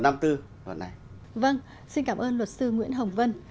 vâng xin cảm ơn luật sư nguyễn hồng vân